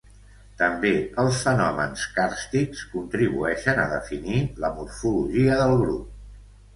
També els fenòmens càrstics contribueixen a definir la morfologia del grup.